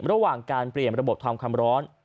ระหว่างการเปลี่ยนระบบทำความร้อน